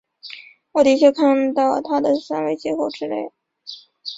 我的确看到它的三维结构之类。